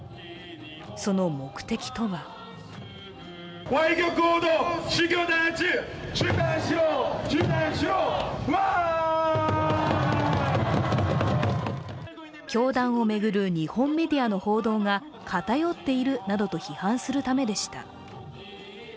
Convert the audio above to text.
その目的とは教団を巡る日本メディアの報道が偏っているなどと批判するためでした。